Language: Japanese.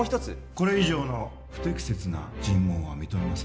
これ以上の不適切な尋問は認めません